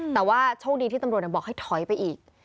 แต่ว่าโชคดีที่ตำรวจบอกให้ถอยไปอีก